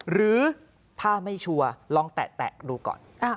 หรือถ้าไม่ชัวร์ลองแตะดูก่อน